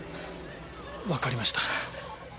分かりました。